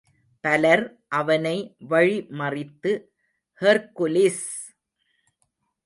பலர் அவனை வழி மறித்து, ஹெர்க்குலிஸ்!